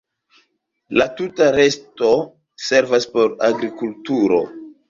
La tuta resto servas por agrikulturo.